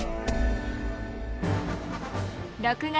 ６月。